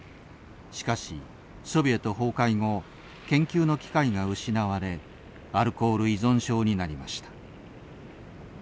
しかしソビエト崩壊後研究の機会が失われアルコール依存症になりました。